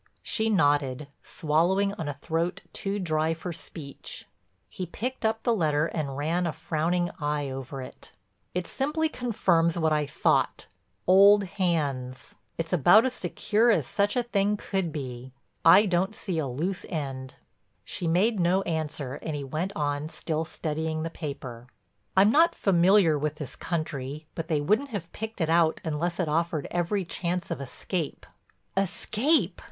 She nodded, swallowing on a throat too dry for speech. He picked up the letter and ran a frowning eye over it: "It simply confirms what I thought—old hands. It's about as secure as such a thing could be. I don't see a loose end." She made no answer and he went on still studying the paper: "I'm not familiar with this country, but they wouldn't have picked it out unless it offered every chance of escape." "Escape!"